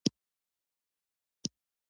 کوچیان باید اسکان شي